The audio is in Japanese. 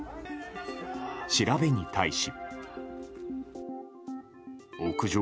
調べに対し。